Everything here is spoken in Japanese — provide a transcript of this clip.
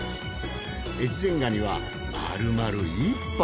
越前ガニは丸々１杯。